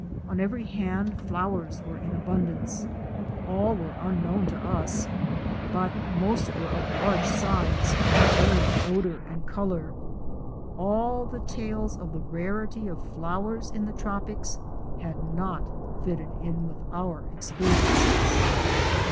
On every hand flowers were in abundance. All were unknown to us, but most were of large size and varied odor and color. All the tales of the rarity of flowers in the tropics had not fitted in with our experiences. 280 OUR SEARCH FOR A WILDERNESS.